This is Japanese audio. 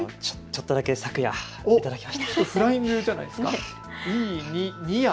ちょっとだけ昨夜いただきました。